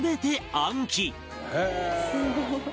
「すごい！」